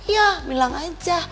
ya bilang aja